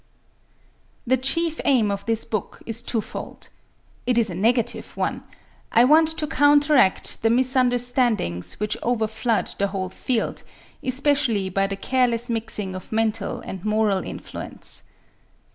The chief aim of this book is twofold. It is a negative one: I want to counteract the misunderstandings which overflood the whole field, especially by the careless mixing of mental and moral influence.